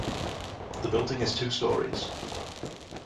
The building is two storeys.